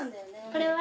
これは？